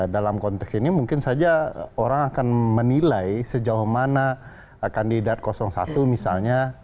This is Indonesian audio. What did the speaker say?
dalam konteks ini mungkin saja orang akan menilai sejauh mana kandidat satu misalnya